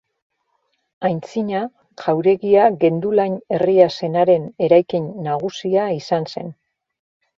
Aintzina, jauregia Gendulain herria zenaren eraikin nagusia izan zen.